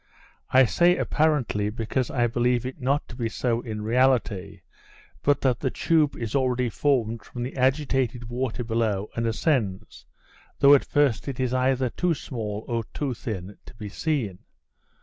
I say apparently, because I believe it not to be so in reality, but that the tube is already formed from the agitated water below, and ascends, though at first it is either too small or too thin to be seen.